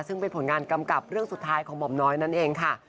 ซึ่งเป็นผลงานกำกับเรื่องสุดท้ายของหม่อมน้อยนั่นเองค่ะ